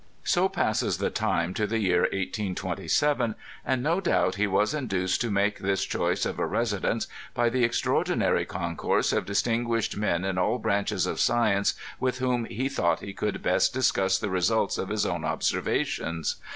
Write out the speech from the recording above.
So passes the time to the year 1827> and no doubt he was induced to make this choice of a residence by the extraordinary concourse of distin fuished men in all branches of science with whom he thought e could best discuss the results of his own observations.